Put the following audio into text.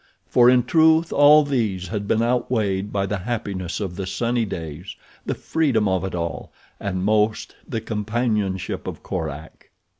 For, in truth, all these had been outweighed by the happiness of the sunny days, the freedom of it all, and, most, the companionship of Korak.